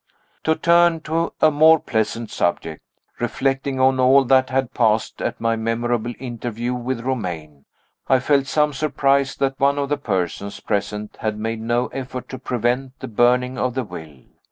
To turn to a more pleasant subject. Reflecting on all that had passed at my memorable interview with Romayne, I felt some surprise that one of the persons present had made no effort to prevent the burning of the will.